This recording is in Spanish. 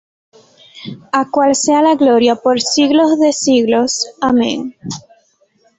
Al cual sea la gloria por siglos de siglos. Amén.